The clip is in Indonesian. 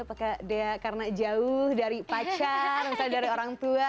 apakah dia karena jauh dari pacar misalnya dari orang tua